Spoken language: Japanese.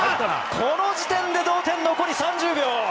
この時点で同点、残り３０秒。